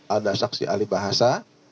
ada saksi ahli bahasa